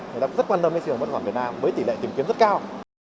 người ta rất quan tâm đến thị trường bất động sản việt nam với tỷ lệ tìm kiếm rất cao